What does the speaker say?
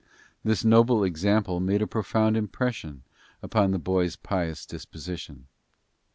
This noble example made a profound impression upon the boy's pious disposition.